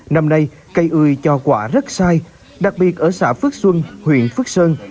năm nay cây ươi cho quả rất sai đặc biệt ở xã phước xuân huyện phước sơn